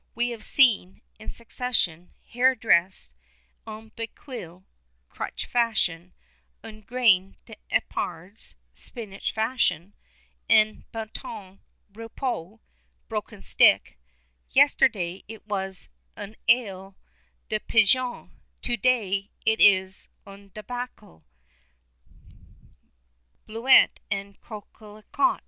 We have seen, in succession, hair dressed en bequille (crutch fashion), en graine d'epinards (spinach fashion!), en baton rompu (broken stick!); yesterday it was en aile de pigeon, to day it is en débacle." BLEUETTE AND COQUELICOT.